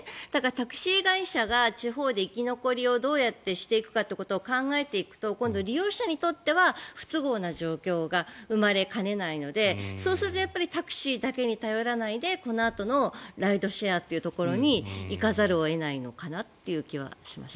タクシー会社が地方で生き残りをどうやってしていくかを考えていくと今度、利用者にとっては不都合な状況が生まれかねないのでそうするとタクシーだけに頼らないでこのあとのライドシェアというところに行かざるを得ないのかなという気はしました。